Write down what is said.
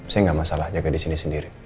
saya gak masalah jaga disini sendiri